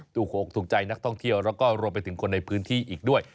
ถูกโหกถูกใจนักท่องเที่ยวแล้วก็รวมไปถึงคนในพื้นที่อีกด้วย